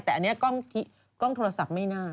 แต่อันนี้กล้องโทรศัพท์ไม่น่า